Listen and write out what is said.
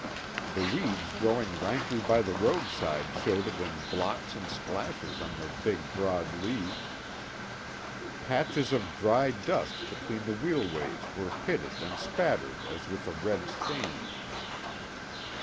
The weeds growing rankly by the roadside showed it in blots and splashes on their big, broad leaves. Patches of dry dust between the wheelways were pitted and spattered as with a red rain.